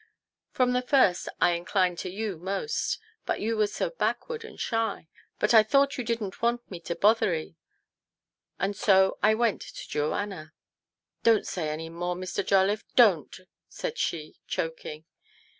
From the first I inclined to you most, but you were so backward and shy that I thought you didn't want me to bother 'ee, and so I went to Joanna. 7 '" Don't say any more, Mr. Jolliffe, don't !" said she, choking.